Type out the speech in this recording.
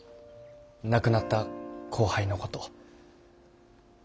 亡くなった後輩のこと。